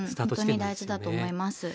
本当に大事だと思います。